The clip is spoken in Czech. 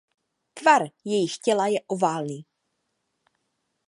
Tvar jejich těla je oválný.